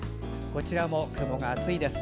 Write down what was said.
こちらも雲が厚いです。